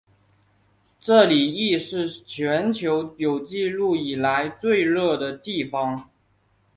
这里亦是全球有纪录以来最热的地方。